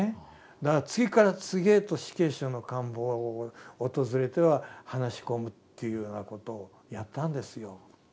だから次から次へと死刑囚の監房を訪れては話し込むというようなことをやったんですよ。